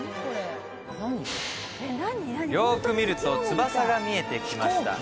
よーく見ると翼が見えてきました